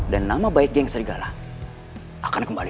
dan nama baik geng serigala akan kembali lagi